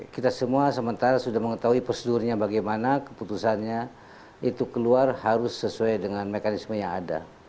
kita semua sementara sudah mengetahui prosedurnya bagaimana keputusannya itu keluar harus sesuai dengan mekanisme yang ada